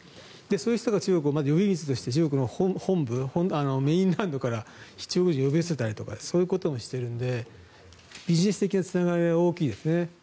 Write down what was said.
そういう人が中国の本部、メインランドから中国人を呼び寄せたりしてそういうこともしているのでビジネス的なつながりは大きいですね。